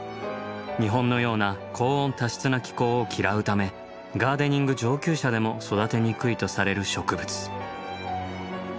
日本のような高温多湿な気候を嫌うためガーデニング上級者でも育てにくいとされる植物。